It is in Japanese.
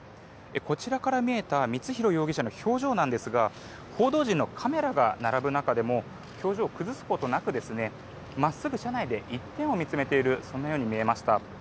こちらから見えた光弘容疑者の表情ですが報道陣のカメラが並ぶ中でも表情を崩すことなく真っすぐ車内で一点を見つめているように見えました。